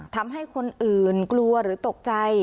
ทำให้คนอื่นกลัวหรือตกใจ